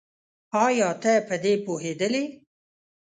ايا ته په دې پوهېدلې؟